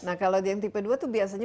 nah kalau yang tipe dua itu biasanya